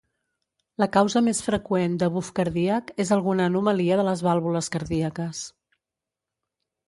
La causa més freqüent de buf cardíac és alguna anomalia de les vàlvules cardíaques.